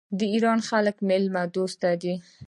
د ایران خلک میلمه دوست دي.